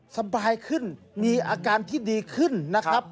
สบายขึ้นมีอาการที่ดีขึ้นนะครับ